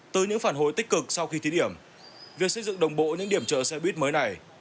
từ những phản hối tích cực sau khi thiết yểm việc xây dựng đồng bộ những điểm chờ xe buýt mới này